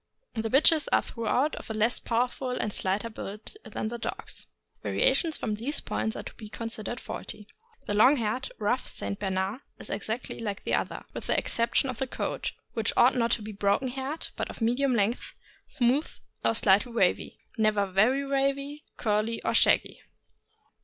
The bitches are throughout of a less powerful and slighter build than the dogs. Variations from these points are to be considered faulty. The long haired (rough) St. Bernard is exactly like the other, with the exception of the coat, which ought not to be broken haired, but of medium length, smooth or slightly wavy, never very wavy, curly, or shaggy.